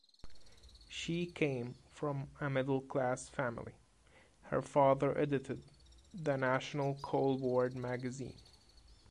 She came from a middle-class family; her father edited the National Coal Board magazine.